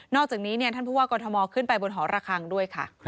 อกจากนี้ท่านผู้ว่ากรทมขึ้นไปบนหอระคังด้วยค่ะ